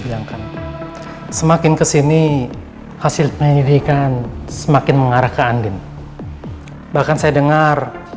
bayangkan semakin kesini hasil penyelidikan semakin mengarah ke andin bahkan saya dengar